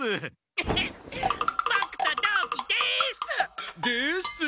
エヘッボクと同期です！です。